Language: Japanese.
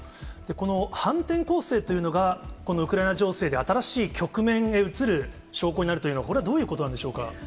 この反転攻勢というのが、このウクライナ情勢で新しい局面へ移る証拠になるというのは、これ、どういうことなんでしょうか？